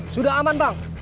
sudah aman bang